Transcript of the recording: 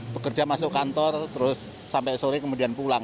bekerja masuk kantor terus sampai sore kemudian pulang